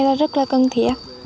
là rất là cần thiết